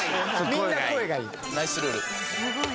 みんな声がいい。